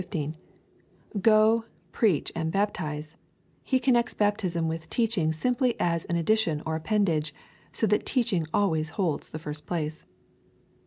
15,) Oo, preach and baptize, he connects baptism with teaching simply as an addition or appendage, so that teaching always holds the first place.